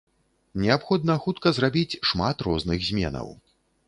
Неабходна хутка зрабіць шмат розных зменаў.